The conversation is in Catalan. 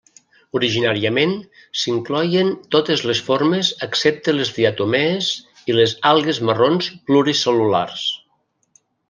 Originàriament s'incloïen totes les formes excepte les diatomees i les algues marrons pluricel·lulars.